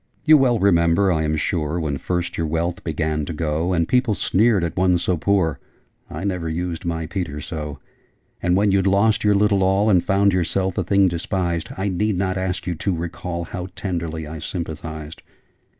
'You well remember, I am sure, When first your wealth began to go, And people sneered at one so poor, I never used my Peter so! And when you'd lost your little all, And found yourself a thing despised, I need not ask you to recall How tenderly I sympathised!